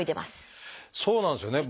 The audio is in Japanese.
そうなんですよね。